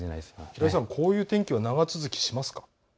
平井さん、こういう天気は長続きしますか。